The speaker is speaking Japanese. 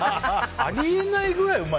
あり得ないぐらいうまい。